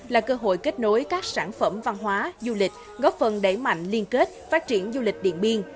là cơ hội kết nối các sản phẩm văn hóa du lịch góp phần đẩy mạnh liên kết phát triển du lịch điện biên